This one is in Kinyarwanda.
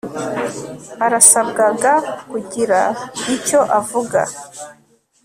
arasabwaga kugira icyo avuga